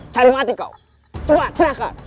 cari mati kau cepat serahkan